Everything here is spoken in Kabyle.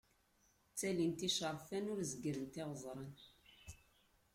Ttalint iceṛfan, ur zegrent iɣwezṛan.